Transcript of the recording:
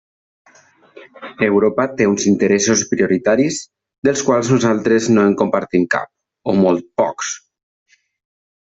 Europa té uns interessos prioritaris, dels quals nosaltres no en compartim cap, o molt pocs.